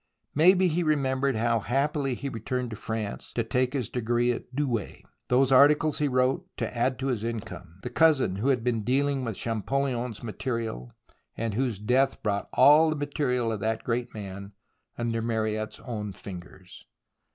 Maybe he remembered how happily he returned to France to take his degree at Douai, those articles he wrote to add to his income, the cousin who had been deaUng with ChampolUon's material, and whose death brought all the material of that great man under Mariette's own fingers.